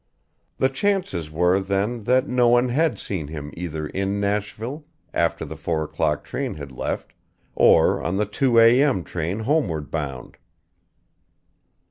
The chances were then that no one had seen him either in Nashville after the four o'clock train had left, or on the two a.m. train homeward bound.